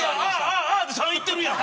ああー！」で３いってるやん。